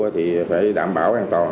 thì phải đảm bảo an toàn